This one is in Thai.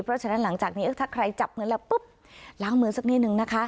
เพราะฉะนั้นหลังจากนี้ถ้าใครจับเงินแล้วปุ๊บล้างมือสักนิดนึงนะคะ